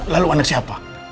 lalu anak siapa